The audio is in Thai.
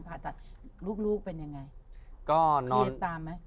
ผ่าตัดลูกเป็นยังไง